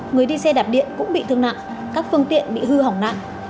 người đi xe đạp điện cũng bị thương nặng các phương tiện bị hư hỏng nặng